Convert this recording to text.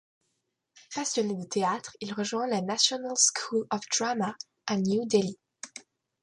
Passionné de théâtre, il rejoint la National School of Drama à New Delhi.